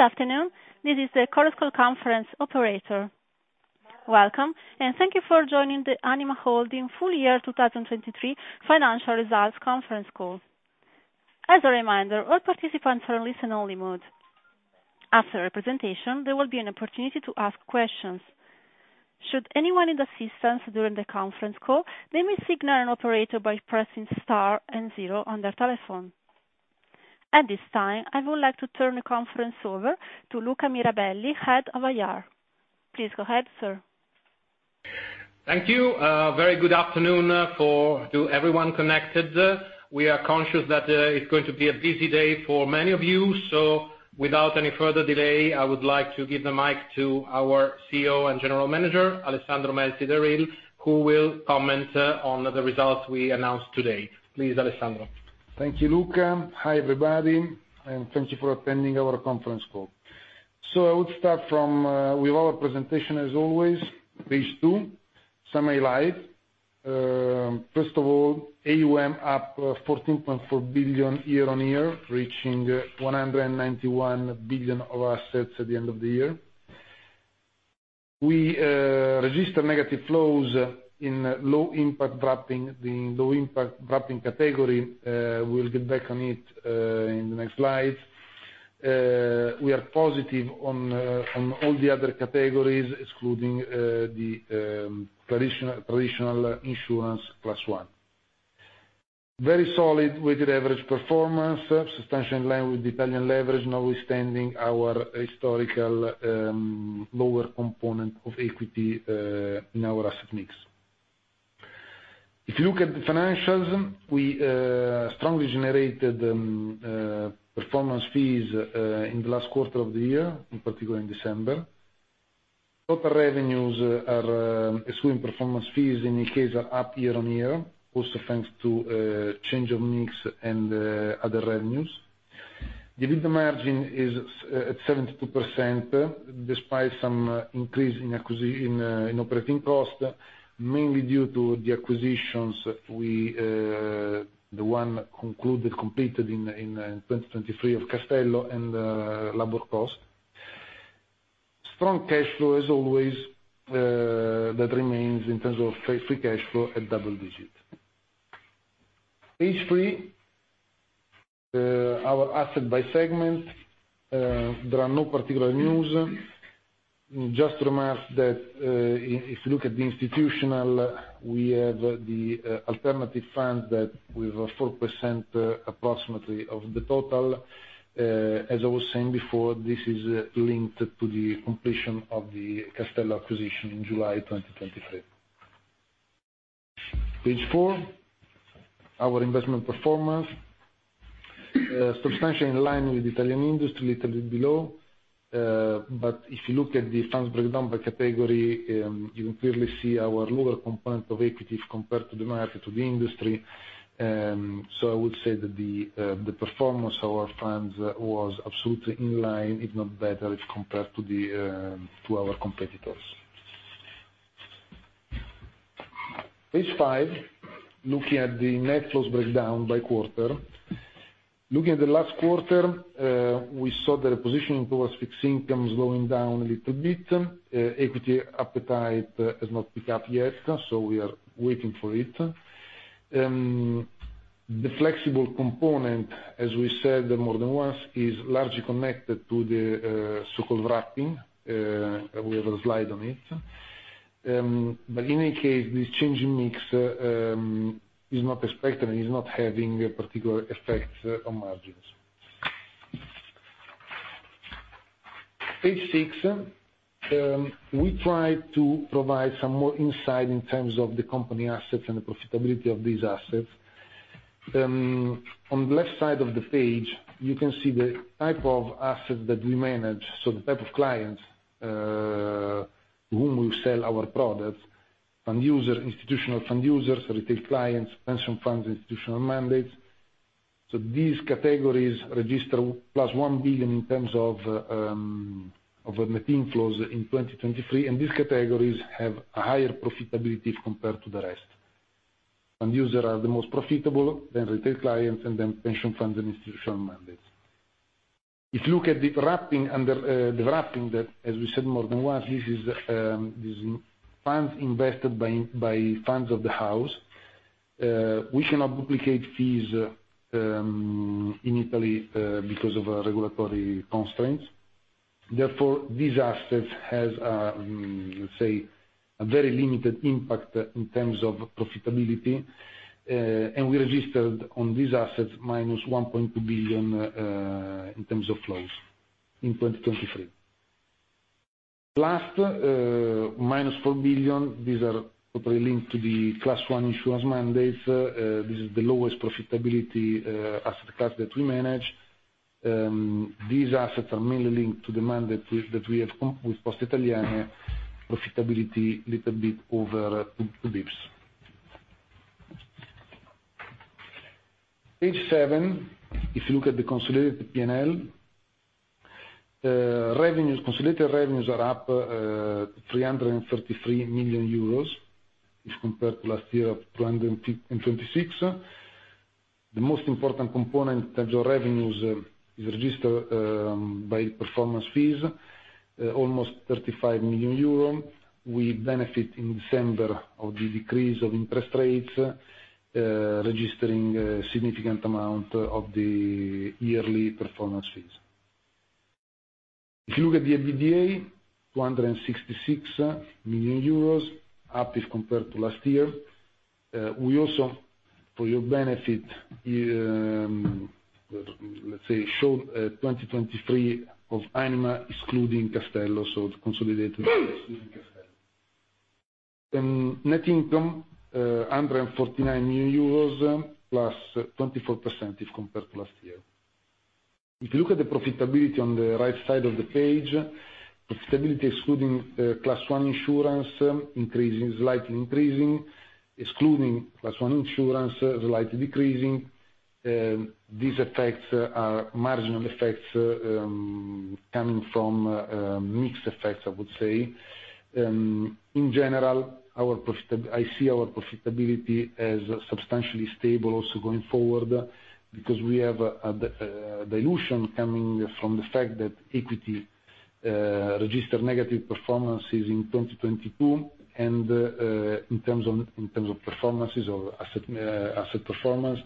Good afternoon, this is the Chorus Call Conference operator. Welcome, and thank you for joining the Anima Holding Full Year 2023 Financial Results conference call. As a reminder, all participants are in listen only mode. After the presentation, there will be an opportunity to ask questions. Should anyone need assistance during the conference call, they may signal an operator by pressing star and zero on their telephone. At this time, I would like to turn the conference over to Luca Mirabelli, Head of IR. Please go ahead, sir. Thank you. Very good afternoon to everyone connected. We are conscious that it's going to be a busy day for many of you. So without any further delay, I would like to give the mic to our CEO and General Manager, Alessandro Melzi d'Eril, who will comment on the results we announced today. Please, Alessandro. Thank you, Luca. Hi, everybody, and thank you for attending our conference call. So I would start from, with our presentation as always. Page two, summary slide. First of all, AUM up, 14.4 billion year-on-year, reaching 191 billion of assets at the end of the year. We register negative flows in low impact wrapping, the low impact wrapping category, we'll get back on it, in the next slide. We are positive on, on all the other categories, excluding, the, traditional, traditional insurance plus one. Very solid weighted average performance, substantially in line with Italian leverage, notwithstanding our historical, lower component of equity, in our asset mix. If you look at the financials, we strongly generated, performance fees, in the last quarter of the year, in particular in December. Total revenues are, excluding performance fees, in any case, are up year-on-year, also thanks to change of mix and other revenues. The EBITDA margin is at 72%, despite some increase in operating cost, mainly due to the acquisitions we, the one concluded, completed in 2023 of Castello and labor cost. Strong cash flow as always, that remains in terms of free cash flow at double digit. Page three, our assets by segment. There are no particular news. Just to remark that, if you look at the institutional, we have the alternative fund that with 4%, approximately of the total. As I was saying before, this is linked to the completion of the Castello acquisition in July 2023. Page four, our investment performance. Substantially in line with Italian industry, little bit below. But if you look at the funds breakdown by category, you can clearly see our lower component of equities compared to the market, to the industry. So I would say that the performance of our funds was absolutely in line, if not better, if compared to our competitors. Page five, looking at the net flows breakdown by quarter. Looking at the last quarter, we saw that the positioning towards fixed income slowing down a little bit. Equity appetite has not picked up yet, so we are waiting for it. The flexible component, as we said more than once, is largely connected to the so-called wrapping. We have a slide on it. But in any case, the change in mix is not expected and is not having a particular effect on margins. Page six, we try to provide some more insight in terms of the company assets and the profitability of these assets. On the left side of the page, you can see the type of assets that we manage, so the type of clients to whom we sell our products. Fund user, institutional fund users, retail clients, pension funds, institutional mandates. So these categories register plus 1 billion in terms of net inflows in 2023, and these categories have a higher profitability compared to the rest. Fund user are the most profitable, then retail clients, and then pension funds and institutional mandates. If you look at the wrapping under the wrapping, that, as we said more than once, this is this funds invested by by funds of the house, we cannot duplicate fees in Italy because of regulatory constraints. Therefore, these assets has, let's say, a very limited impact in terms of profitability, and we registered on these assets -1.2 billion in terms of flows in 2023. Last, -4 billion, these are totally linked to the Class I insurance mandates. This is the lowest profitability asset class that we manage. These assets are mainly linked to the mandate that that we have come with Poste Italiane, profitability little bit over 22 basis points. Page seven, if you look at the consolidated P&L, revenues, consolidated revenues are up 333 million euros, if compared to last year of 226 million. The most important component of your revenues is registered by performance fees, almost 35 million euro. We benefit in December of the decrease of interest rates, registering a significant amount of the yearly performance fees. If you look at the EBITDA, 266 million euros, up as compared to last year. We also, for your benefit, let's say, showed 2023 of Anima, excluding Castello, so the consolidated, excluding Castello. Net income 149 million euros, +24% if compared to last year. If you look at the profitability on the right side of the page, profitability excluding Class I insurance, increasing, slightly increasing. Excluding Class I insurance, slightly decreasing. These effects are marginal effects, coming from mixed effects, I would say. In general, our profitability I see our profitability as substantially stable also going forward, because we have a dilution coming from the fact that equity registered negative performances in 2022, and in terms of, in terms of performances or asset asset performance,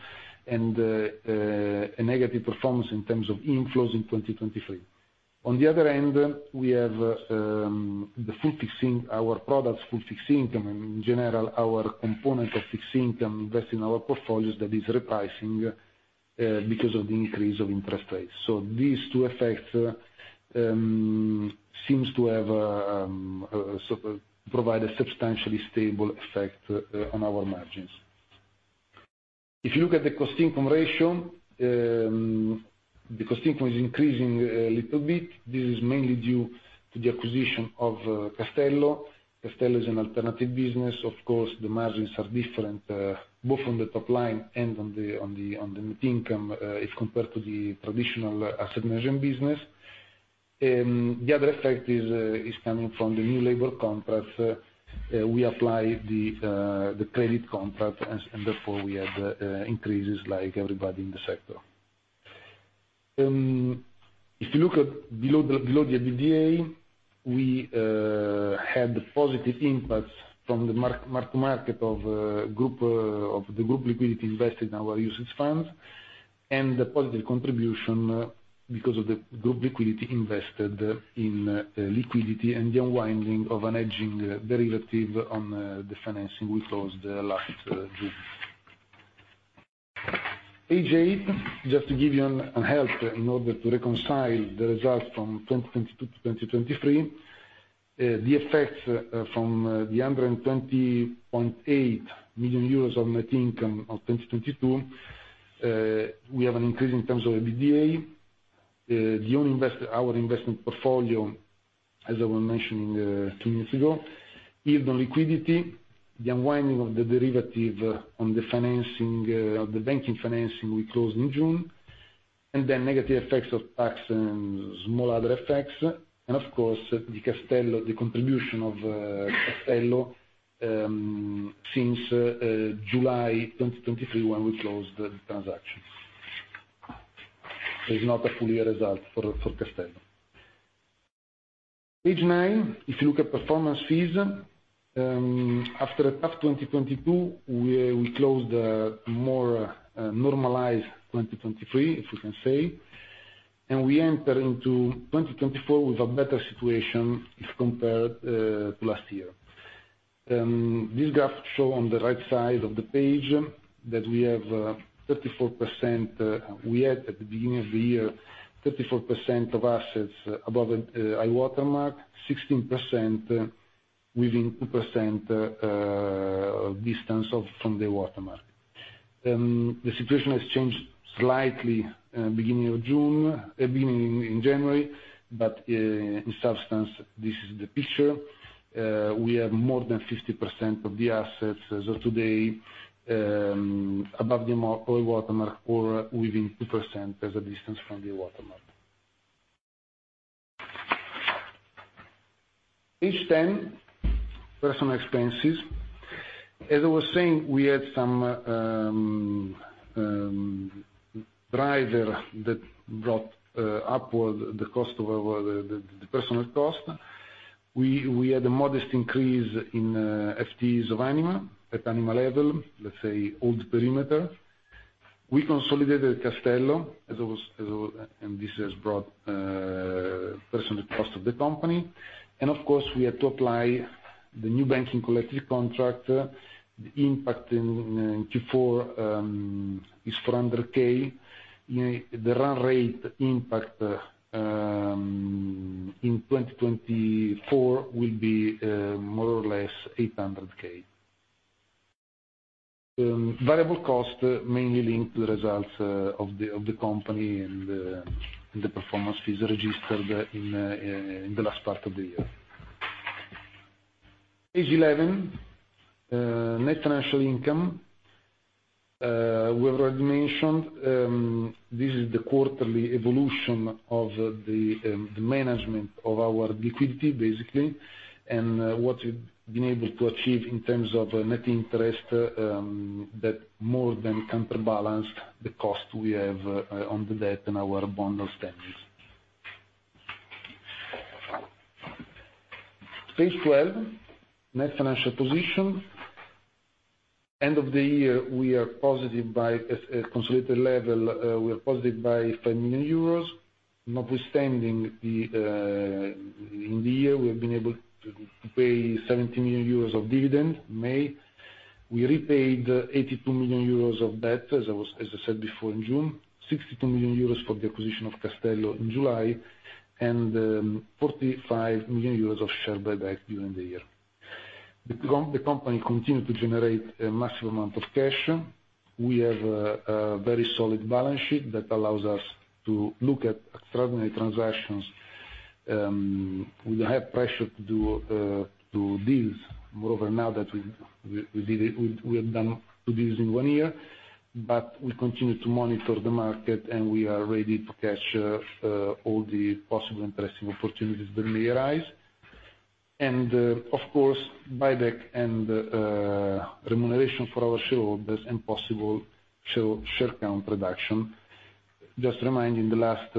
and a negative performance in terms of inflows in 2023. On the other end, we have the full fixing, our products, full fixed income, in general, our component of fixed income invest in our portfolios that is repricing because of the increase of interest rates. So these two effects seems to have provide a substantially stable effect on our margins. If you look at the cost income ratio, the cost income is increasing a little bit. This is mainly due to the acquisition of Castello. Castello is an alternative business. Of course, the margins are different both on the top line and on the net income if compared to the traditional asset management business. The other effect is coming from the new labor contract. We apply the the credit contract, and therefore we have increases like everybody in the sector. If you look at below the, below the EBITDA, we had positive impacts from the mark to market of the group liquidity invested in our users funds, and the positive contribution because of the group liquidity invested in liquidity and the unwinding of a hedging derivative on the financing we closed last June. Page eight, just to give you a help in order to reconcile the results from 2022-2023, the effects from the 120.8 million euros of net income of 2022, we have an increase in terms of EBITDA. The only investment portfolio, as I was mentioning two minutes ago, yield on liquidity, the unwinding of the derivative on the financing of the banking financing we closed in June, and then negative effects of tax and small other effects, and of course, the Castello, the contribution of Castello since July 2023, when we closed the transaction. There is not a full year result for Castello. Page nine, if you look at performance fees, after a tough 2022, we closed more normalized 2023, if we can say, and we enter into 2024 with a better situation if compared to last year. These graphs show on the right side of the page, that we have 34%, we had at the beginning of the year, 34% of assets above high water mark, 16% within 2% distance from the water mark. The situation has changed slightly, beginning of June, beginning in January, but in substance, this is the picture. We have more than 50% of the assets as of today above our water mark or within 2% distance from the water mark. Page 10, personal expenses. As I was saying, we had some driver that brought upward the cost of our the personal cost. We had a modest increase in FTEs of Anima, at Anima level, let's say, old perimeter. We consolidated Castello. This has brought personnel costs of the company. Of course, we had to apply the new banking collective contract. The impact in Q4 is 400,000. In the run rate impact in 2024 will be more or less 800,000. Variable costs mainly linked to the results of the company and the performance fees registered in the last part of the year. Page 11, net financial income. We have already mentioned this is the quarterly evolution of the management of our liquidity, basically, and what we've been able to achieve in terms of net interest that more than counterbalanced the cost we have on the debt and our bonds outstanding. Page 12, net financial position. End of the year, we are positive by, at a consolidated level, we are positive by 5 million euros, notwithstanding, in the year, we have been able to pay 70 million euros of dividend, May. We repaid 82 million euros of debt, as I said before, in June. 62 million euros for the acquisition of Castello in July, and 45 million euros of share buyback during the year. The company continued to generate a massive amount of cash. We have a very solid balance sheet that allows us to look at extraordinary transactions with a high pressure to do deals. Moreover, now that we have done two deals in one year, but we continue to monitor the market, and we are ready to capture all the possible interesting opportunities that may arise. And, of course, buyback and remuneration for our shareholders and possible share count reduction. Just remind, in the last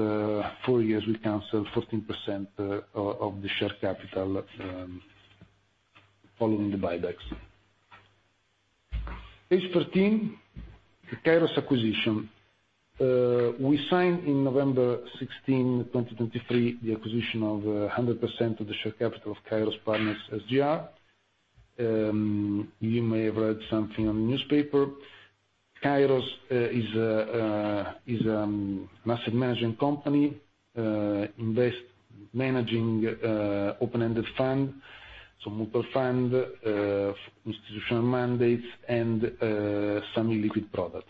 four years, we canceled 14% of the share capital following the buybacks. Page 13, Kairos acquisition. We signed in November 16, 2023, the acquisition of 100% of the share capital of Kairos Partners SGR. You may have read something on the newspaper. Kairos is asset management company invest managing open-ended fund, so multiple fund institutional mandates and semi-liquid product.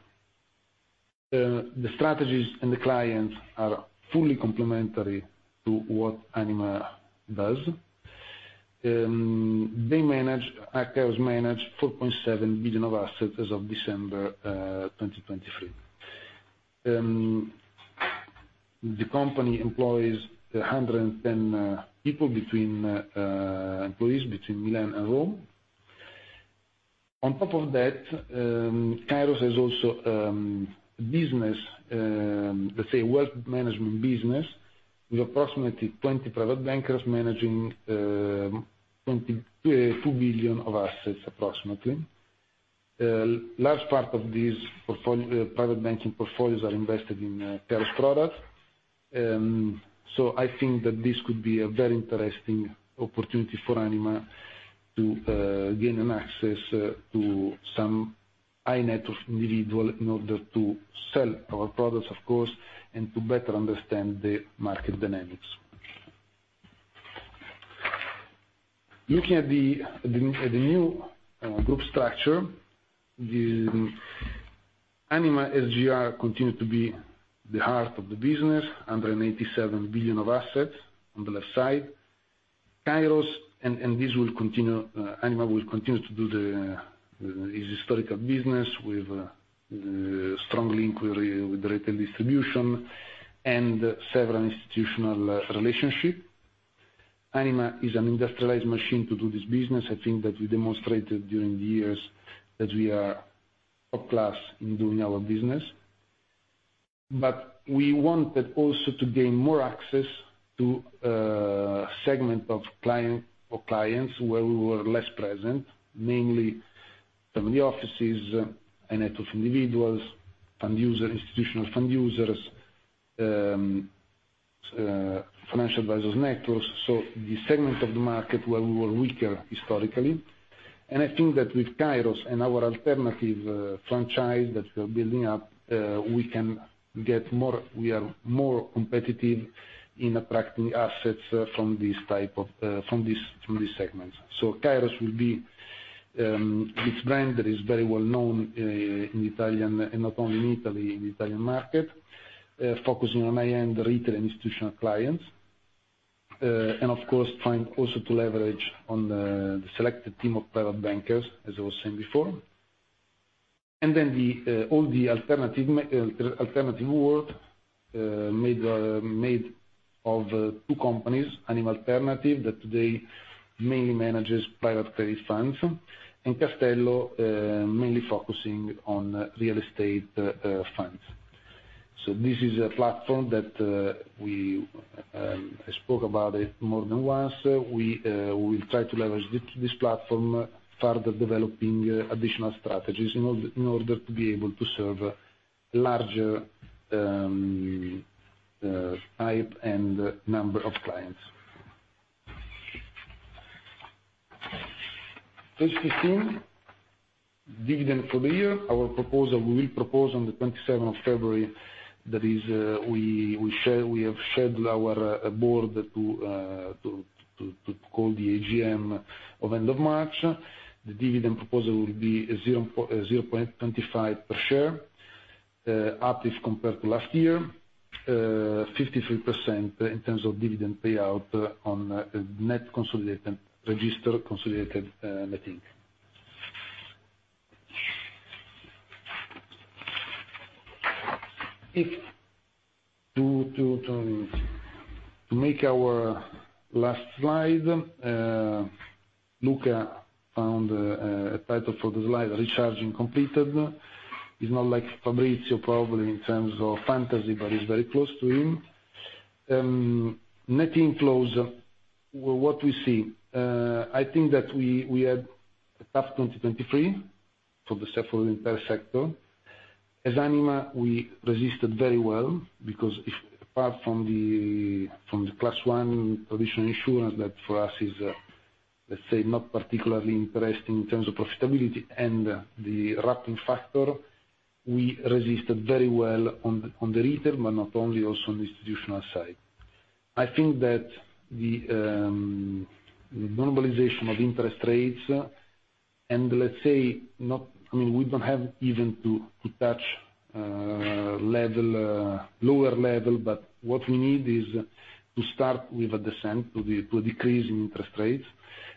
The strategies and the clients are fully complementary to what Anima does. They manage, Kairos manage 4.7 billion of assets as of December 2023. The company employs 110 people between employees between Milan and Rome. On top of that, Kairos has also business, let's say, wealth management business, with approximately 20 private bankers managing 22 billion of assets, approximately. A large part of these private banking portfolios are invested in Kairos product. So I think that this could be a very interesting opportunity for Anima to gain access to some high-net-worth individuals, in order to sell our products, of course, and to better understand the market dynamics. Looking at the new group structure, the Anima SGR continues to be the heart of the business, under 87 billion of assets on the left side. Kairos, and this will continue, Anima will continue to do its historical business with strong link with retail distribution and several institutional relationship. Anima is an industrialized machine to do this business. I think that we demonstrated during the years that we are top class in doing our business. But we wanted also to gain more access to segment of client or clients where we were less present, namely some of the offices, a net of individuals, fund user, institutional fund users, financial advisors networks, so the segment of the market where we were weaker historically. I think that with Kairos and our alternative franchise that we're building up, we can get more. We are more competitive in attracting assets from these type of segments. So Kairos will be its brand that is very well known in Italian, and not only in Italy, in Italian market, focusing on high-end retail institutional clients, and of course, trying also to leverage on the selected team of private bankers, as I was saying before. Then all the alternative world made of two companies, Anima Alternative, that today mainly manages private credit funds, and Castello mainly focusing on real estate funds. So this is a platform that I spoke about it more than once. We will try to leverage this platform, further developing additional strategies in order to be able to serve larger type and number of clients. Page 15, dividend for the year. Our proposal, we will propose on the twenty-seventh of February, that is, we have shared our board to call the AGM of end of March. The dividend proposal will be 0.25 per share, up as compared to last year, 53% in terms of dividend payout on net consolidated, registered consolidated net income. To make our last slide, Luca found a title for the slide, Recharging Completed. He's not like Fabrizio, probably, in terms of fantasy, but he's very close to him. Net inflows, well, what we see, I think that we had a tough 2023 for the sector, entire sector. As Anima, we resisted very well, because apart from the Class I traditional insurance, that for us is, let's say, not particularly interesting in terms of profitability and the wrapping factor, we resisted very well on the retail, but not only, also on the institutional side. I think that the normalization of interest rates, and let's say, I mean, we don't have even to touch a lower level, but what we need is to start with a descent to a decrease in interest rates.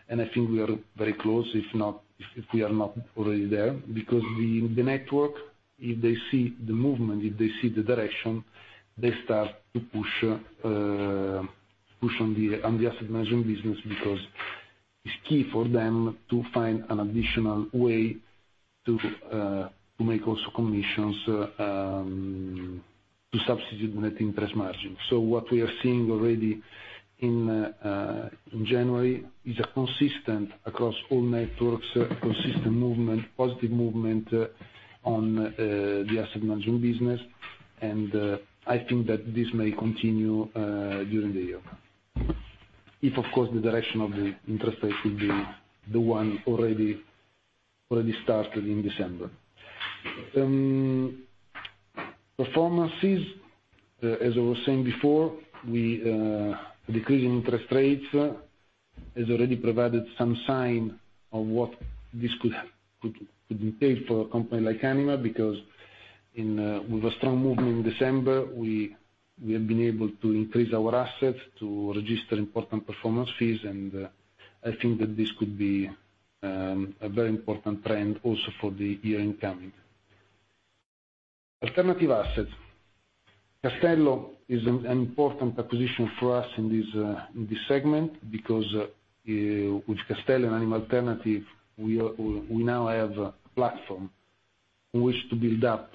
And I think we are very close, if not, if we are not already there. Because the network, if they see the movement, if they see the direction, they start to push, push on the asset management business, because it's key for them to find an additional way to make also commissions, to substitute net interest margin. So what we are seeing already in January is a consistent across all networks, consistent movement, positive movement on the asset management business. And I think that this may continue during the year. If, of course, the direction of the interest rate will be the one already started in December. Performances, as I was saying before, the decrease in interest rates has already provided some sign of what this could be paid for a company like Anima. Because in with a strong movement in December, we have been able to increase our assets, to register important performance fees, and I think that this could be a very important trend also for the year incoming. Alternative assets. Castello is an important acquisition for us in this segment, because with Castello and Anima Alternative, we now have a platform on which to build up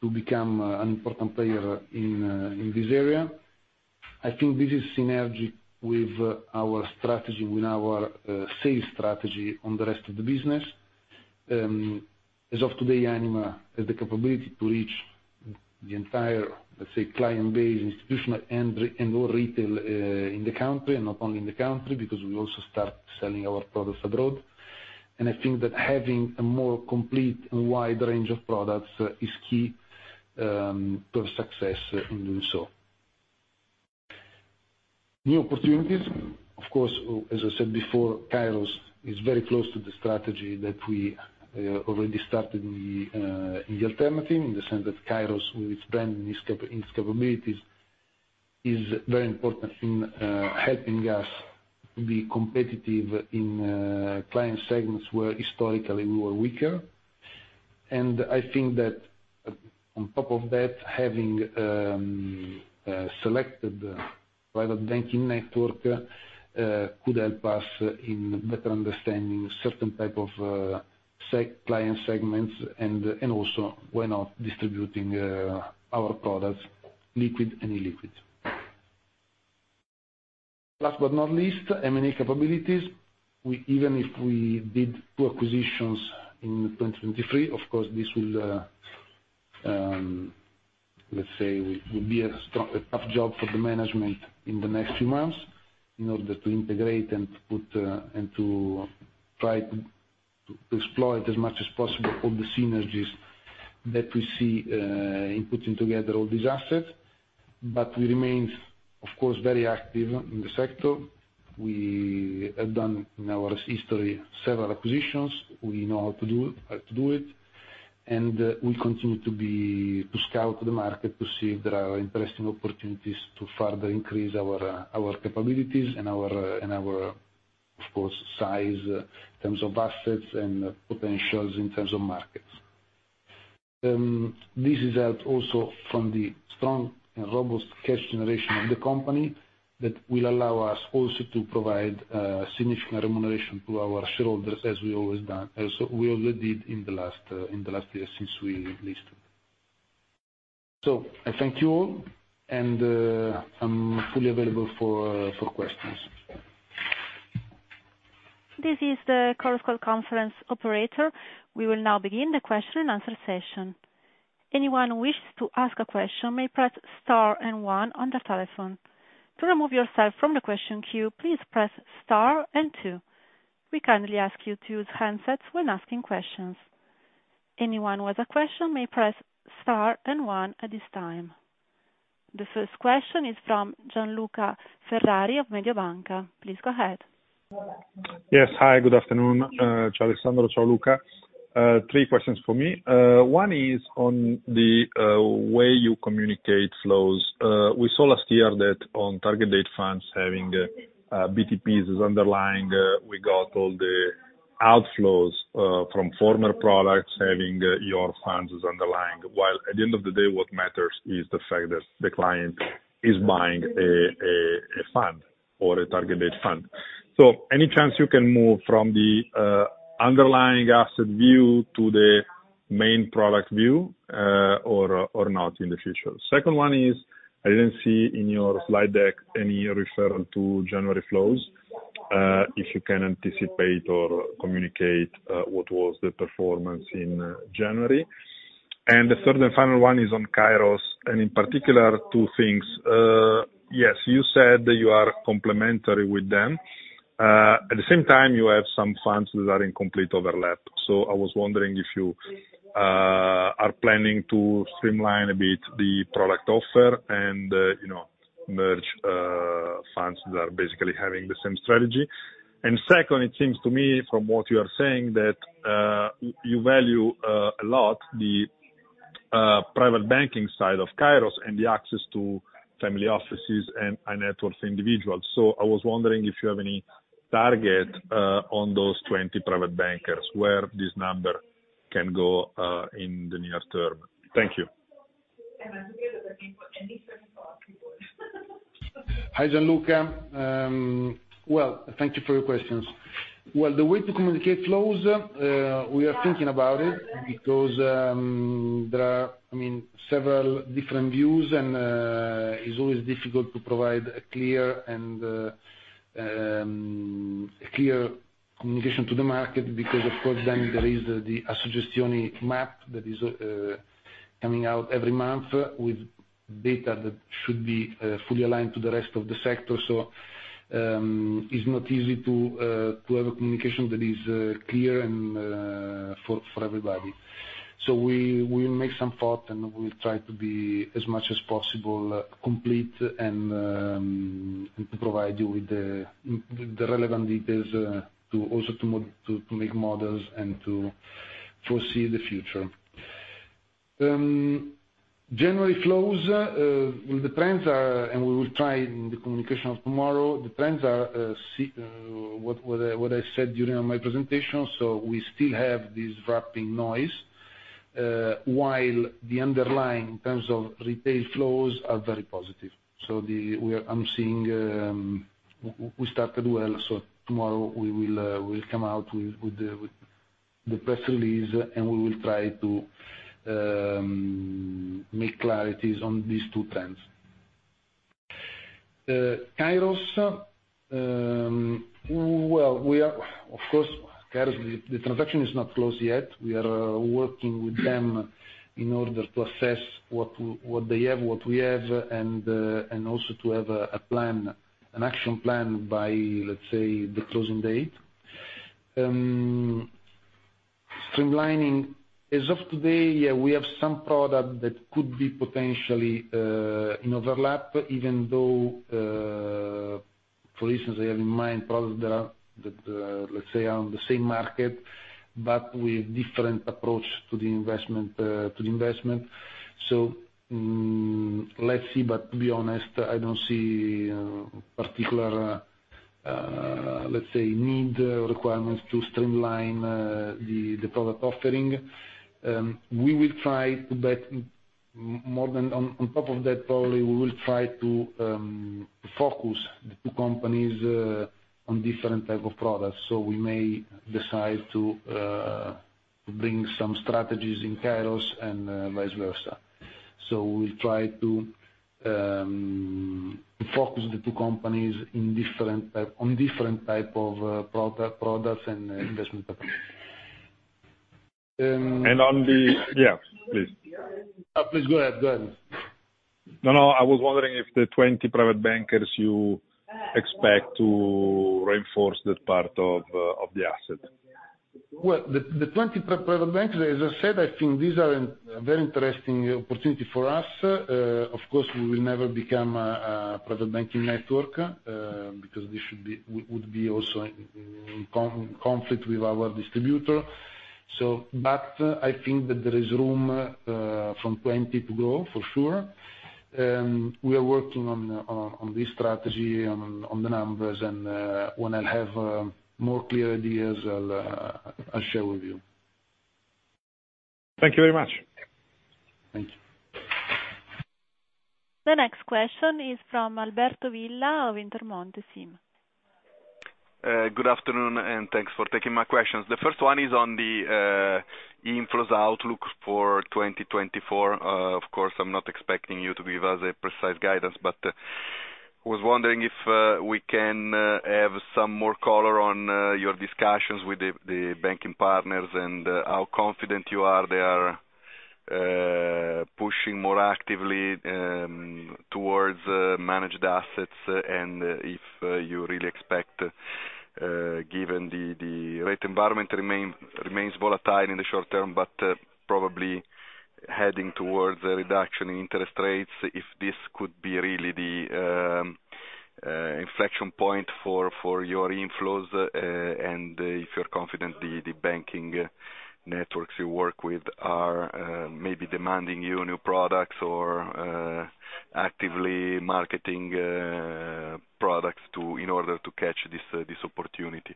to become an important player in this area. I think this is synergic with our strategy, with our sales strategy on the rest of the business. As of today, Anima has the capability to reach the entire, let's say, client base, institutional and re- and/or retail, in the country, and not only in the country, because we also start selling our products abroad. I think that having a more complete and wide range of products is key to success in doing so. New opportunities. Of course, as I said before, Kairos is very close to the strategy that we already started in the alternative, in the sense that Kairos, with its brand and its capabilities, is very important in helping us to be competitive in client segments where historically we were weaker. And I think that on top of that, having selected private banking network could help us in better understanding certain type of client segments, and also, why not, distributing our products, liquid and illiquid. Last but not least, M&A capabilities. We, even if we did two acquisitions in 2023, of course, this will, let's say, will be a strong, a tough job for the management in the next few months in order to integrate and to put, and to try to, to exploit as much as possible all the synergies that we see in putting together all these assets. But we remain, of course, very active in the sector. We have done, in our history, several acquisitions. We know how to do, how to do it, and we continue to scout the market to see if there are interesting opportunities to further increase our capabilities and our, of course, size in terms of assets and potentials in terms of markets. This is out also from the strong and robust cash generation of the company, that will allow us also to provide significant remuneration to our shareholders, as we always done, as we already did in the last year since we listed. So I thank you all, and I'm fully available for questions. This is the Chorus Call conference operator. We will now begin the question and answer session. Anyone who wishes to ask a question may press star and one on their telephone. To remove yourself from the question queue, please press star and two. We kindly ask you to use handsets when asking questions. Anyone with a question may press star and one at this time. The first question is from Gian luca Ferrari of Mediobanca. Please go ahead. Yes. Hi, good afternoon, Alessandro, Ciao, Luca. Three questions for me. One is on the way you communicate flows. We saw last year that on target date funds having BTPs as underlying, we got all the outflows from former products, having your funds as underlying, while at the end of the day, what matters is the fact that the client is buying a fund or a targeted fund. So any chance you can move from the underlying asset view to the main product view, or not in the future? Second one is, I didn't see in your slide deck any referral to January flows. If you can anticipate or communicate what was the performance in January? And the third and final one is on Kairos, and in particular, two things. Yes, you said that you are complimentary with them. At the same time, you have some funds that are in complete overlap. So I was wondering if you are planning to streamline a bit the product offer and, you know, merge funds that are basically having the same strategy. And second, it seems to me, from what you are saying, that you value a lot the private banking side of Kairos, and the access to family offices and networks individuals. So I was wondering if you have any target on those 20 private bankers, where this number can go in the near term? Thank you. Hi, Gian luca. Well, thank you for your questions. Well, the way to communicate flows, we are thinking about it because there are, I mean, several different views. It's always difficult to provide a clear and a clear communication to the market, because of course, then there is the Assogestioni map that is coming out every month with data that should be fully aligned to the rest of the sector. So it's not easy to have a communication that is clear and for everybody. So we'll make some thought, and we'll try to be as much as possible complete and to provide you with the with the relevant details to also make models and to foresee the future. January flows, well, the trends are... We will try in the communication of tomorrow, the trends are what I said during my presentation, so we still have this wrapping noise while the underlying trends of retail flows are very positive. So, I'm seeing we started well, so tomorrow we will come out with the press release, and we will try to make clarities on these two trends. Kairos, well, we are. Of course, Kairos, the transaction is not closed yet. We are working with them in order to assess what they have, what we have, and also to have a plan, an action plan by, let's say, the closing date. Streamlining, as of today, yeah, we have some product that could be potentially in overlap, even though, for instance, I have in mind products that are, let's say, are on the same market, but with different approach to the investment, to the investment. So, let's see, but to be honest, I don't see particular, let's say, need or requirements to streamline the product offering. We will try more than, on top of that, probably, we will try to focus the two companies on different type of products. So we may decide to bring some strategies in Kairos and vice versa. So we'll try to focus the two companies on different type of products and investment products. And on the... Yeah, please. Please go ahead. Go ahead. No, no, I was wondering if the 20 private bankers you expect to reinforce that part of, of the asset? Well, the 20 private bankers, as I said, I think these are a very interesting opportunity for us. Of course, we will never become a private banking network because we would be also in conflict with our distributor. But I think that there is room from 20 to grow, for sure. We are working on this strategy, on the numbers, and when I'll have more clear ideas, I'll share with you. Thank you very much. Thank you. The next question is from Alberto Villa of Intermonte SIM. Good afternoon, and thanks for taking my questions. The first one is on the inflows outlook for 2024. Of course, I'm not expecting you to give us a precise guidance, but was wondering if we can have some more color on your discussions with the banking partners, and how confident you are they are pushing more actively towards managed assets. If you really expect, given the rate environment remains volatile in the short term, but probably heading towards a reduction in interest rates, if this could be really the inflection point for your inflows, and if you're confident the banking networks you work with are maybe demanding you new products or actively marketing products to in order to catch this opportunity.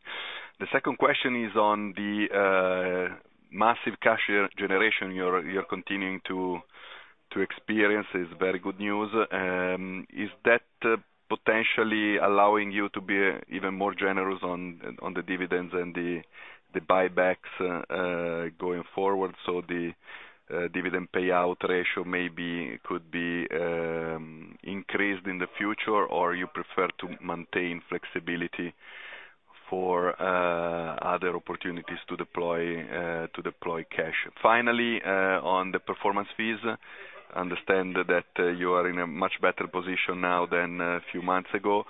The second question is on the massive cash generation you're continuing to experience, is very good news. Is that potentially allowing you to be even more generous on the dividends and the buybacks going forward, so the dividend payout ratio maybe could be increased in the future, or you prefer to maintain flexibility for other opportunities to deploy cash? Finally, on the performance fees, I understand that you are in a much better position now than a few months ago.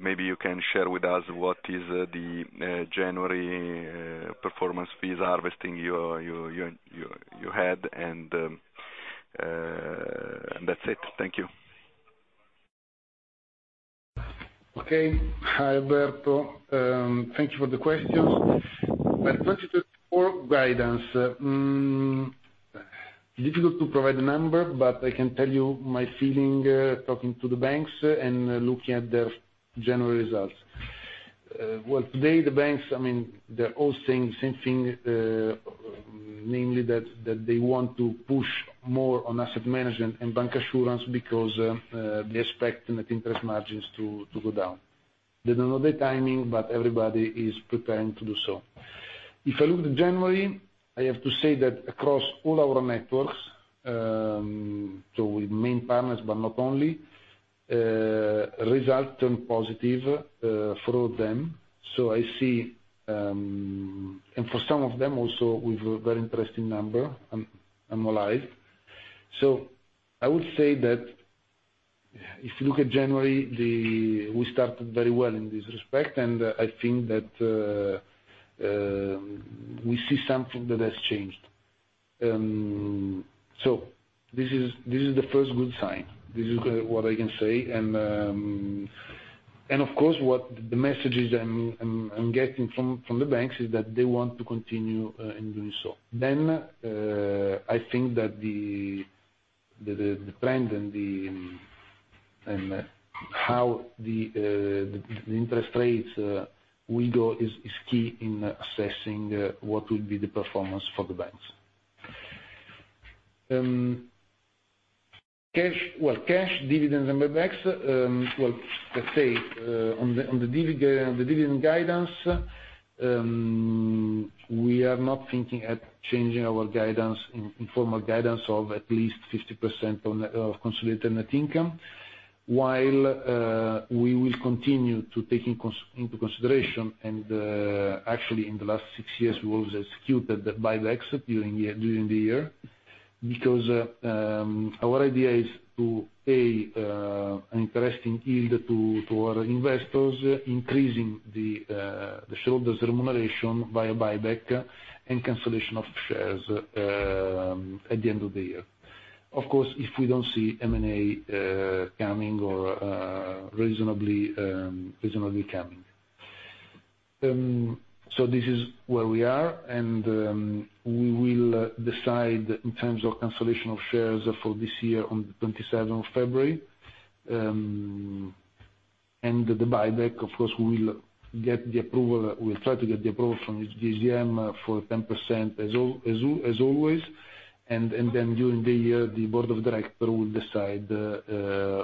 Maybe you can share with us what is the January performance fees harvesting you had, and that's it. Thank you. Okay. Hi, Alberto. Thank you for the questions. Well, 2024 guidance. Difficult to provide a number, but I can tell you my feeling, talking to the banks and looking at their general results. Well, today, the banks, I mean, they're all saying the same thing, namely that they want to push more on asset management and bank assurance because they're expecting the interest margins to go down. They don't know the timing, but everybody is preparing to do so. If I look at January, I have to say that across all our networks, so with main partners, but not only, results turned positive through them. So I see. And for some of them also with a very interesting number, I'm alive. So I would say that if you look at January, we started very well in this respect, and I think that we see something that has changed. So this is the first good sign. This is what I can say, and of course, what the messages I'm getting from the banks is that they want to continue in doing so. Then I think that the trend and how the interest rates will go is key in assessing what will be the performance for the banks. Cash, well, cash dividends and buybacks, well, let's say, on the dividend guidance, we are not thinking at changing our guidance, informal guidance of at least 50% on consolidated net income. While we will continue to taking into consideration, and actually, in the last six years, we've always executed the buybacks during the year, because our idea is to pay an interesting yield to our investors, increasing the shareholders' remuneration via buyback and cancellation of shares at the end of the year. Of course, if we don't see M&A coming or reasonably coming. So this is where we are, and we will decide in terms of cancellation of shares for this year on the 27th of February. And the buyback, of course, we will get the approval, we'll try to get the approval from this DSM for 10%, as always, and then during the year, the board of director will decide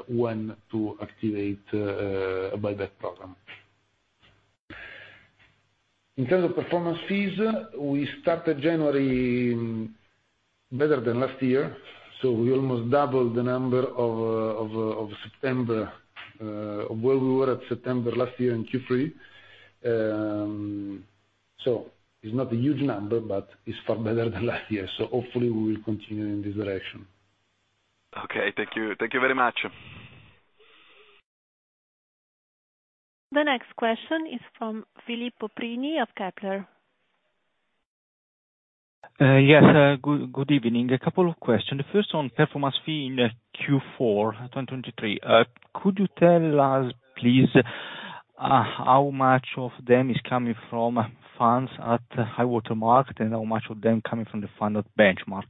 when to activate a buyback program. In terms of performance fees, we started January better than last year, so we almost doubled the number of September where we were at September last year in Q3. So it's not a huge number, but it's far better than last year. So hopefully we will continue in this direction. Okay. Thank you. Thank you very much. The next question is from Filippo Prini of Kepler. Yes, good, good evening. A couple of questions. The first on performance fee in Q4 2023. Could you tell us, please, how much of them is coming from funds at high water mark, and how much of them coming from the fund of benchmark?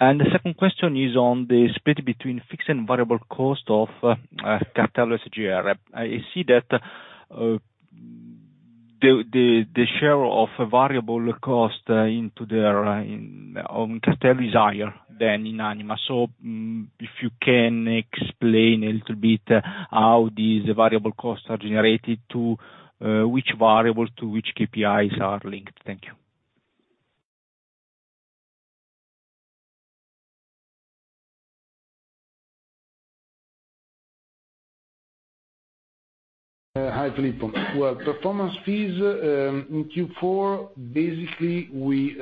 And the second question is on the split between fixed and variable cost of Castello SGR. I see that the share of variable cost into their in on Castello is higher than in Anima. So, if you can explain a little bit how these variable costs are generated to which variables to which KPIs are linked. Thank you. Hi, Filippo. Well, performance fees in Q4, basically, we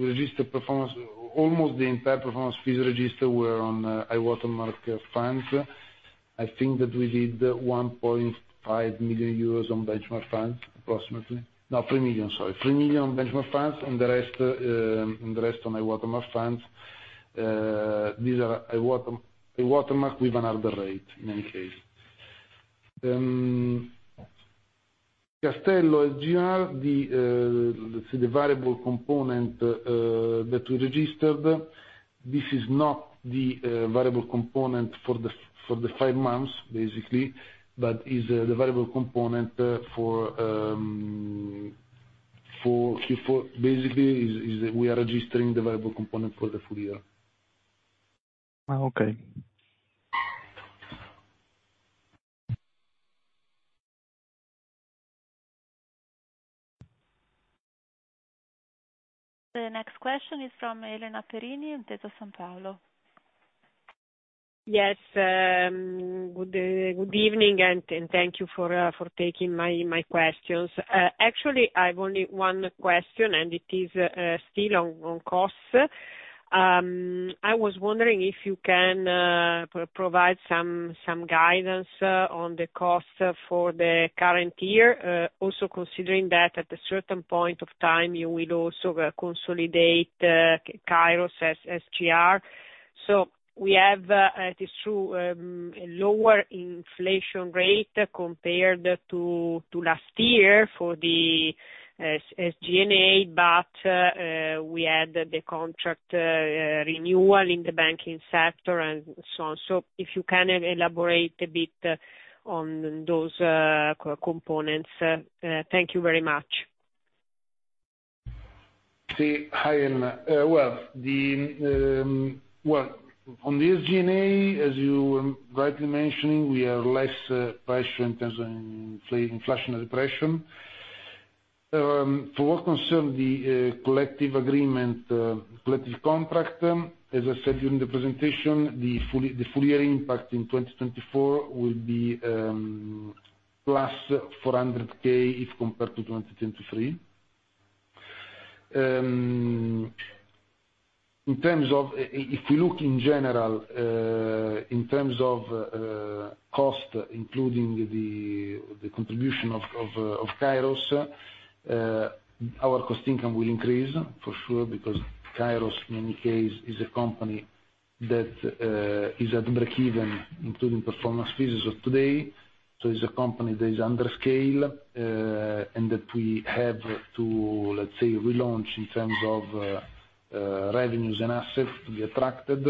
registered performance, almost the entire performance fees registered were on high water mark funds. I think that we did 1.5 million euros on benchmark funds, approximately. No, three million, sorry. 3 million on benchmark funds, and the rest on high water mark funds. These are high water mark with another rate, in any case. Castello SGR, the, let's say the variable component that we registered, this is not the variable component for the five months, basically, but is the variable component for Q4, basically, that we are registering the variable component for the full year. Uh, okay. The next question is from Elena Perini in Intesa Sanpaolo. Yes, good evening, and thank you for taking my questions. Actually, I've only one question, and it is still on costs. I was wondering if you can provide some guidance on the costs for the current year, also considering that at a certain point of time you will also consolidate Kairos SGR. So we have, it is true, a lower inflation rate compared to last year for the SG&A, but we had the contract renewal in the banking sector and so on. So if you can elaborate a bit on those components. Thank you very much. See, hi, Elena. Well, on the SG&A, as you rightly mentioning, we have less pressure in terms of inflation repression. For what concern the collective agreement, collective contract, as I said during the presentation, the full year impact in 2024 will be plus 400 thousand if compared to 2023. In terms of if we look in general, in terms of cost, including the contribution of Kairos, our cost income will increase, for sure, because Kairos, in any case, is a company that is at breakeven, including performance fees as of today. So it's a company that is under scale and that we have to, let's say, relaunch in terms of revenues and assets to be attracted.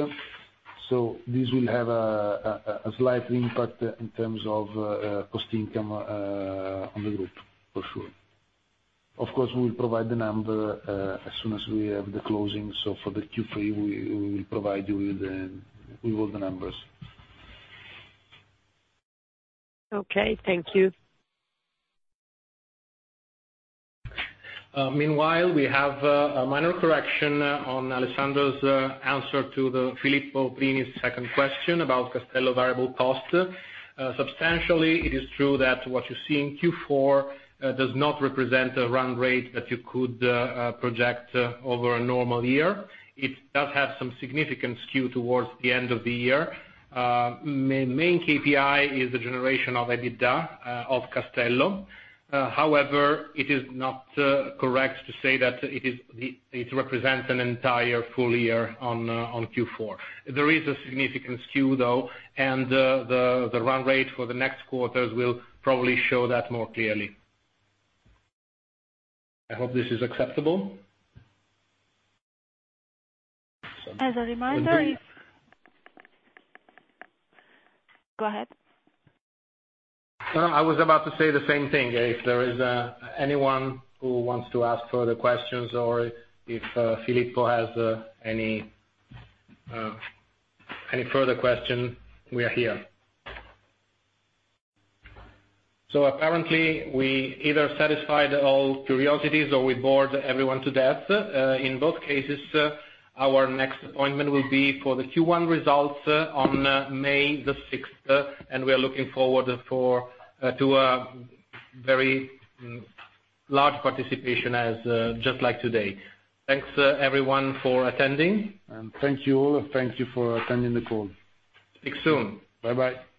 So this will have a slight impact in terms of cost income on the group, for sure. Of course, we will provide the number as soon as we have the closing, so for the Q3, we will provide you with all the numbers. Okay. Thank you. Meanwhile, we have a minor correction on Alessandro's answer to the Filippo Prini's second question about Castello variable cost. Substantially, it is true that what you see in Q4 does not represent a run rate that you could project over a normal year. It does have some significant skew towards the end of the year. Main KPI is the generation of EBITDA of Castello. However, it is not correct to say that it is the, it represents an entire full year on Q4. There is a significant skew, though, and the run rate for the next quarters will probably show that more clearly. I hope this is acceptable. As a reminder, go ahead. I was about to say the same thing. If there is anyone who wants to ask further questions or if Filippo has any further questions, we are here. So apparently we either satisfied all curiosities or we bored everyone to death. In both cases, our next appointment will be for the Q1 results on May 6th, and we are looking forward for to a very large participation as just like today. Thanks everyone for attending. Thank you all, thank you for attending the call. Speak soon. Bye-bye.